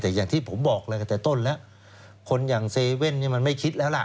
แต่อย่างที่ผมบอกเลยตั้งแต่ต้นแล้วคนอย่างเซเว่นนี่มันไม่คิดแล้วล่ะ